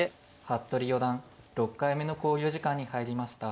服部四段６回目の考慮時間に入りました。